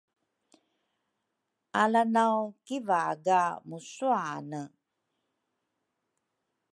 Ala naw kivaga musuane